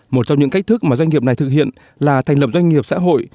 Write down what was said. một trong những cách thức mà doanh nghiệp này thực hiện là thành lập doanh nghiệp xã hội